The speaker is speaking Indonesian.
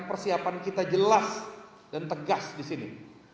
persiapan kita jelas dan tegas disini